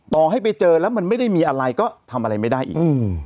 ต่อให้ไปเจอแล้วมันไม่ได้มีอะไรก็ทำอะไรไม่ได้อีก